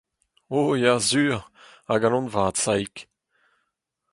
Oh, ya, sur !… A galon vat, Saig !